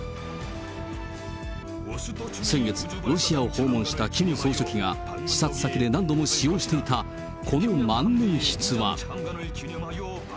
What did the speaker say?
先月、ロシアを訪問したキム総書記が、視察先で何度も使用していたこの万年筆は。